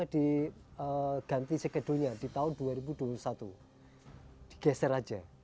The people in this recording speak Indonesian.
di ganti sekedulnya di tahun dua ribu dua puluh satu digeser aja